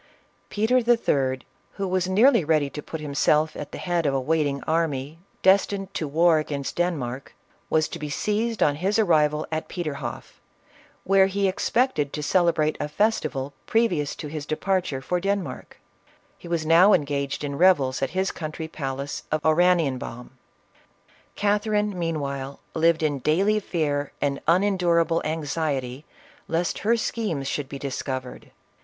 Peter III., who was nearly ready to put himself at the head of a wait ing army, destined to war against Denmark, was to be seized on his arrival at Peterhoff, where he expected to celebrate a festival previous to his departure for Den mark, lie was now engaged in revels at his country palace of Oranienbaum. Catherine meanwhile lived in daily fear and unen d.urable anxiety lest her schernes should be discovered.